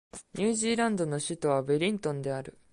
ニュージーランドの首都はウェリントンである